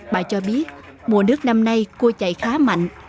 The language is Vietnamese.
bà cho biết mùa nước năm nay cua chạy khá mạnh